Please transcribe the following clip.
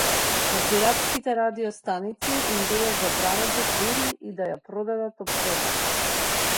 На пиратските радио-станици им било забрането дури и да ја продадат опремата.